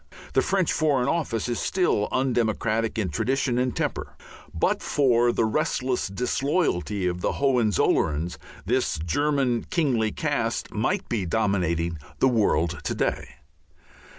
The French foreign office is still undemocratic in tradition and temper. But for the restless disloyalty of the Hohenzollerns this German kingly caste might be dominating the world to this day.